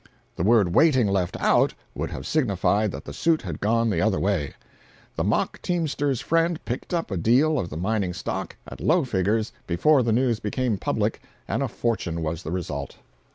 The word "waiting" left out, would have signified that the suit had gone the other way. The mock teamster's friend picked up a deal of the mining stock, at low figures, before the news became public, and a fortune was the result.